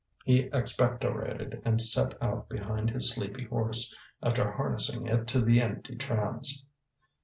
He expectorated, and set out behind his sleepy horse, after harnessing it to the empty trams.